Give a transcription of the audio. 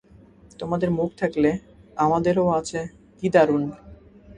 তোমাদের মুখ থাকলে, আমাদেরও আছে কি দারুন!